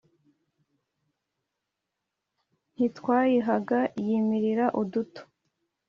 Ntitwayihaga Yimilira uduto